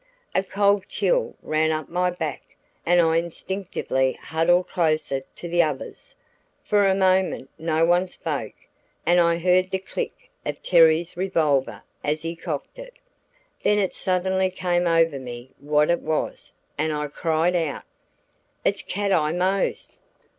A cold chill ran up my back and I instinctively huddled closer to the others. For a moment no one spoke and I heard the click of Terry's revolver as he cocked it. Then it suddenly came over me what it was, and I cried out: "It's Cat Eye Mose!"